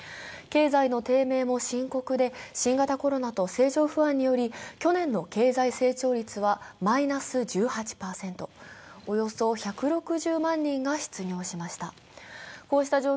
経済の低迷も深刻で、新型コロナと政情不安により、去年の経済成長率はマイナス１８％、およそ１６０万人が失業しました。